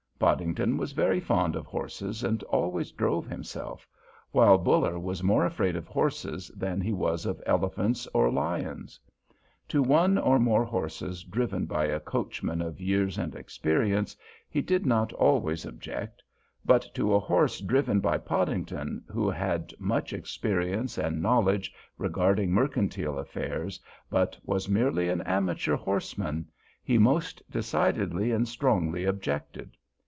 Podington was very fond of horses and always drove himself, while Buller was more afraid of horses than he was of elephants or lions. To one or more horses driven by a coachman of years and experience he did not always object, but to a horse driven by Podington, who had much experience and knowledge regarding mercantile affairs, but was merely an amateur horseman, he most decidedly and strongly objected.